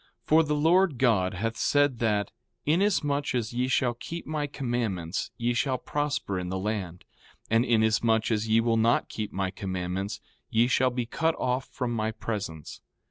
4:4 For the Lord God hath said that: Inasmuch as ye shall keep my commandments ye shall prosper in the land; and inasmuch as ye will not keep my commandments ye shall be cut off from my presence.